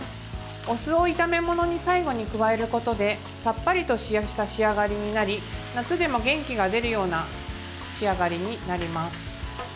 お酢を炒め物に最後に加えることでさっぱりとした仕上がりになり夏でも元気が出るような仕上がりになります。